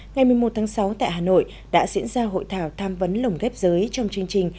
ngày một mươi một tháng sáu tại hà nội đã diễn ra hội thảo tham vấn lồng ghép giới trong chương trình